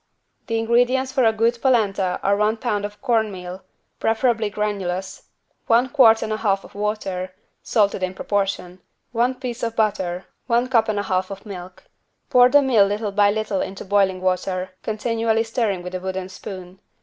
The ingredients for a good polenta are one pound of corn meal, preferably granulous, one quart and a half of water, salted in proportion, one piece of butter, one cup and a half of milk. Pour the meal little by little into boiling water, continually stirring with a wooden spoon.